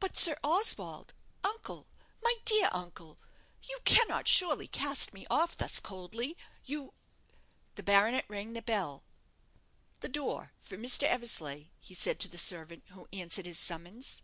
"But, Sir Oswald uncle my dear uncle you cannot surely cast me off thus coldly you " The baronet rang the bell. "The door for Mr. Eversleigh," he said to the servant who answered his summons.